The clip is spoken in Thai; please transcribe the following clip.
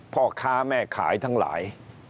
พ่อค้าแม่ขายทั้งหลาย